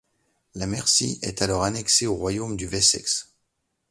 La Mercie est alors annexée au royaume du Wessex.